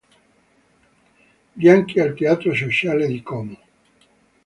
Bianchi al Teatro Sociale di Como.